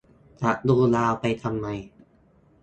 จะดูดาวไปทำไม